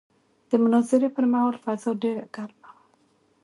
د مناظرې پر مهال فضا ډېره ګرمه وه.